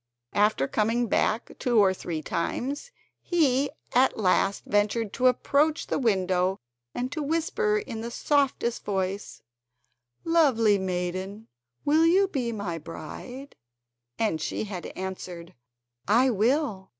After coming back two or three times, he at last ventured to approach the window and to whisper in the softest voice: "Lovely maiden, will you be my bride?" and she had answered: "I will."